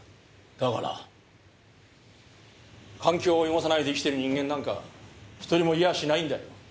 だから環境を汚さないで生きてる人間なんか１人もいやしないんだよ。